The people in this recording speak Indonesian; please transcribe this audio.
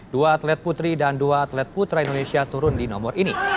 dua atlet putri dan dua atlet putra indonesia turun di nomor ini